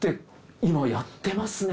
今やってますね。